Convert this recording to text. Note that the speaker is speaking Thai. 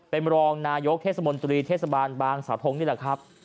เป็นรองนายกเทศมนตรีเทศบาลบางสาวทงนี่แหละครับ